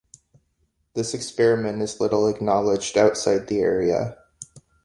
This experiment is little acknowledged outside the area.